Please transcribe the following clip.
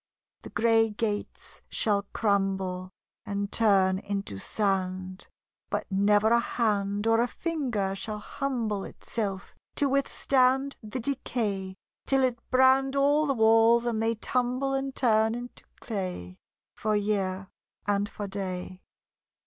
The grey gates shall crumble And turn into sand, But never a hand Or a finger shall humble LOVE LIES A COLD. 45 Itself to withstand The decay, till it brand All the walls, and they tumble And turn into clay. For year and for day.